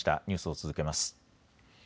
ニュースを続けます。